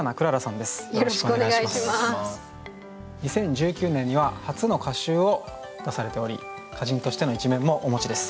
２０１９年には初の歌集を出されており歌人としての一面もお持ちです。